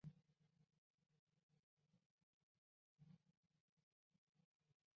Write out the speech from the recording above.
以下声韵调系统以武义老派城里话为准。